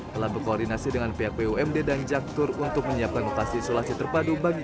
telah berkoordinasi dengan pihak bumd dan jaktur untuk menyiapkan lokasi isolasi terpadu bagi